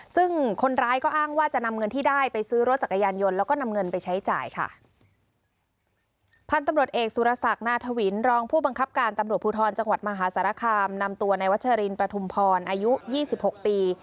ซึ่งคนร้ายก็อ้างว่าจะนำเงินที่ได้ไปซื้อรถจักรยานยนต์แล้วก็นำเงินไปใช้จ่ายค่ะพันธุ์ตำรวจเอกสุรศักดิ์นาธวินรองผู้บังคับการตำรวจภูทรจังหวัดมหาสารคามนำตัวในวัชรินประทุมพรอายุยี่สิบหกปี